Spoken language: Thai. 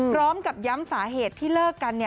พร้อมกับย้ำสาเหตุที่เลิกกัน